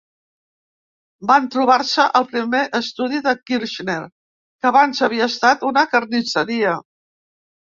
Van trobar-se al primer estudi de Kirchner, que abans havia estat una carnisseria.